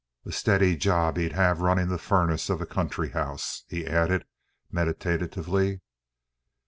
A steady job he'd have running the furnace of a country house," he added meditatively.